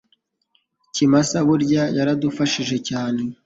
Kimasa burya yaradufahije cyane